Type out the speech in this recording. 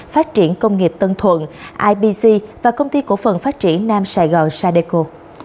phát triển công nghiệp tân thuận ibc và công ty cổ phần phát triển nam sài gòn sadeco